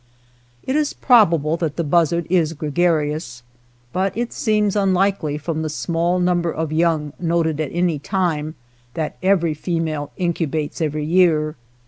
It is probable that the buzzard is grega rious, but it seems unlikely from the small number of young noted at any time that every female incubates each year.